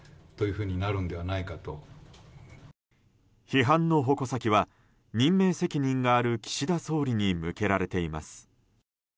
批判の矛先は任命責任がある岸田総理に向けられています。